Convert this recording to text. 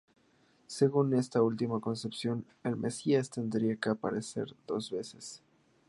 Según esta última concepción, el mesías tendría que aparecer dos veces.